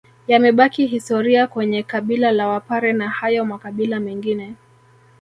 Yamebaki historia kwenye kabila la wapare na hayo makabila mengine